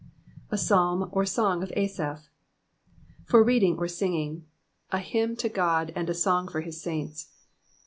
A Psalm or Song of Asaph. Fbr reading or singing. A hytnn to God and a songftr his saints.